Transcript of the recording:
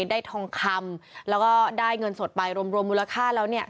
ทองคำแล้วก็ได้เงินสดไปรวมรวมมูลค่าแล้วเนี่ย